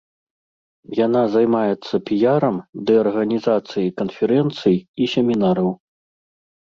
Яна займаецца піярам ды арганізацыяй канферэнцый і семінараў.